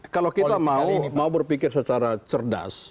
kalau kita mau berpikir secara cerdas